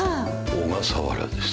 小笠原です。